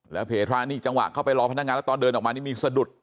แล้วเพทระนี่จังหวะเข้าไปรอพนักงานแล้วตอนเดินออกมานี่มีสะดุด